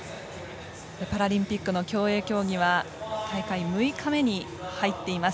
パラリンピックの競泳競技は大会６日目に入っています。